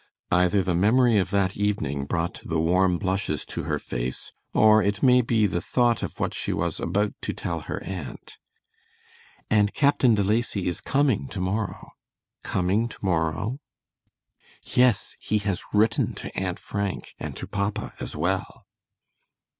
either the memory of that evening brought the warm blushes to her face, or it may be the thought of what she was about to tell her aunt; "and Captain De Lacy is coming to morrow." "Coming to morrow?" "Yes, he has written to Aunt Frank, and to papa as well."